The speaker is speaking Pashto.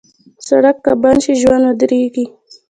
سړک که بند شي، ژوند ودریږي.